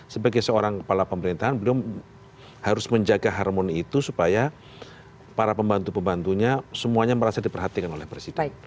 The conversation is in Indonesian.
sebagai seorang kepala pemerintahan beliau harus menjaga harmoni itu supaya para pembantu pembantunya semuanya merasa diperhatikan oleh presiden